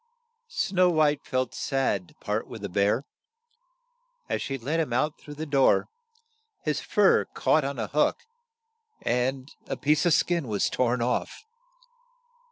" Snow White felt sad to part with the bear. As she let him out through the door, his fur caught on a hook, and a piece of skin was torn off.